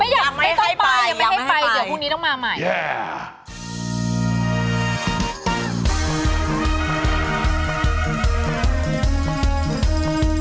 ไม่อยากไปต่อไปไม่ให้ไปเดี๋ยวพรุ่งนี้ต้องมาใหม่